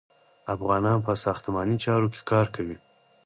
افغانان په ساختماني چارو کې کار کوي.